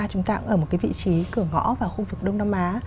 chúng ta cũng ở một cái vị trí cửa ngõ vào khu vực đông nam á